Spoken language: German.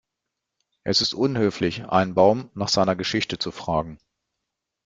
Es ist unhöflich, einen Baum nach seiner Geschichte zu fragen.